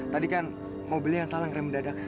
tadi kan mobilnya yang salah ngerem dadak